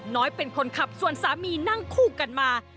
น้อยเป็นคนขับส่วนสามีนั่งคู่กันมา